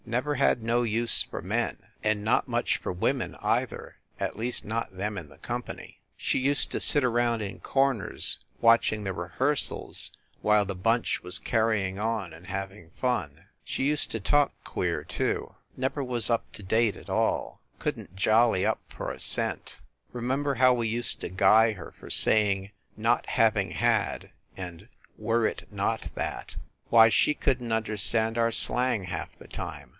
Never had no use for men and not much for women, either, at least not them in the company. She used to sit around in corners watching the rehearsals while the bunch was carrying on and having fun. She used to talk THE CAXTON DINING ROOM 171 queer, too. Never was up to date at all; couldn t jolly up for a cent. Remember how we used to guy her for saying "not having had" and "were it not that?" Why, she couldn t understand our slang half the time.